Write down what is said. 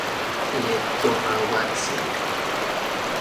Ye tomauatsin.